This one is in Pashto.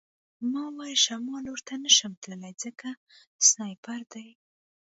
ما وویل شمال لور ته نشم تللی ځکه سنایپر دی